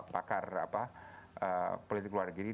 pakar politik luar negeri